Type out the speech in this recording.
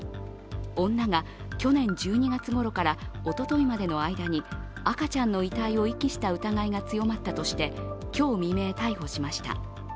女が去年１２月ごろからおとといまでの間に赤ちゃんの遺体を遺棄した疑いが強まったとして今日未明、逮捕しました。